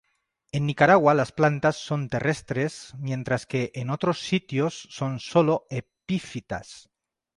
En Nicaragua las plantas son terrestres mientras que en otros sitios son sólo epífitas.